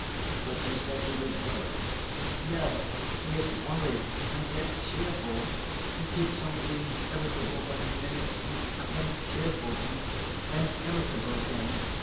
"But you said he was worried." "Yes, he is worried and yet cheerful. He keeps on being irritable for a minute and then cheerful and then irritable again.